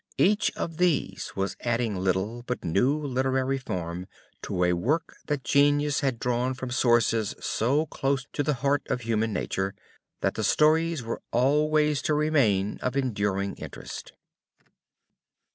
Each of these was adding little but new literary form, to a work that genius had drawn from sources so close to the heart of human nature, that the stories were always to remain of enduring interest.